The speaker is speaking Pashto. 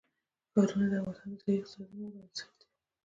ښارونه د افغانستان د ځایي اقتصادونو بنسټ دی.